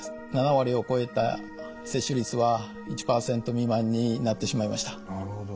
７割を超えた接種率は１％未満になってしまいました。